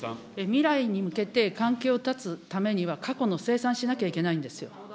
未来に向けて関係を断つためには、過去の清算しなきゃいけないんですよ。